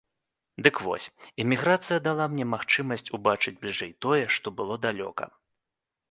Дык вось, эміграцыя дала мне магчымасць убачыць бліжэй тое, што было далёка.